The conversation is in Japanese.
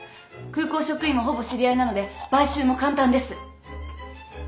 空港職員もほぼ知り合いなので買収も簡単です。